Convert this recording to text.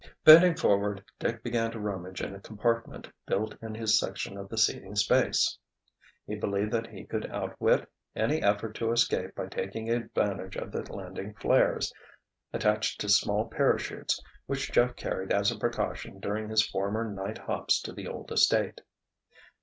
Bending forward Dick began to rummage in a compartment built in his section of the seating space. He believed that he could outwit any effort to escape by taking advantage of the landing flares, attached to small parachutes, which Jeff carried as a precaution during his former night hops to the old estate.